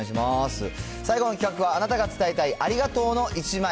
最後の企画は、あなたが伝えたいありがとうの１枚。